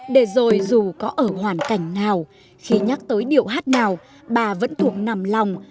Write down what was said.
để rồi dù có ở hoàn cảnh nào khi nhắc tới điệu hát nào bà vẫn thuộc nằm lòng